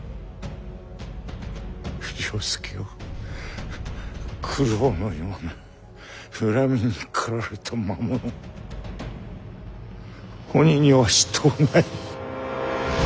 了助を九郎のような恨みにかられた魔物鬼にはしとうない。